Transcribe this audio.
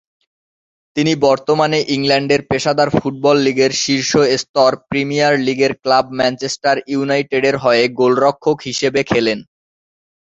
তিনি বর্তমানে ইংল্যান্ডের পেশাদার ফুটবল লীগের শীর্ষ স্তর প্রিমিয়ার লীগের ক্লাব ম্যানচেস্টার ইউনাইটেডের হয়ে গোলরক্ষক হিসেবে খেলেন।